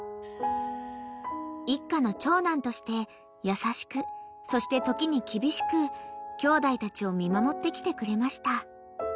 ［一家の長男として優しくそして時に厳しくきょうだいたちを見守ってきてくれました］